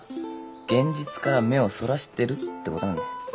現実から目をそらしてるってことなんだ。